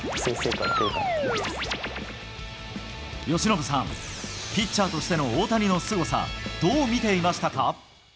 由伸さんピッチャーとしての大谷のすごさどう見ていましたか？